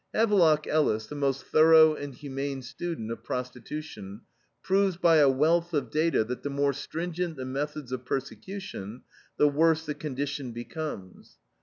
Havelock Ellis, the most thorough and humane student of prostitution, proves by a wealth of data that the more stringent the methods of persecution the worse the condition becomes.